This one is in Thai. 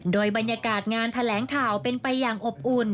โดยบรรยากาศงานแถลงข่าวเป็นไปอย่างอบอุ่น